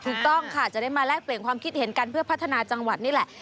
ถูกต้องค่ะจะได้มาแลกเปลี่ยนความคิดเห็นกันเพื่อพัฒนาจังหวัดนี่แหละ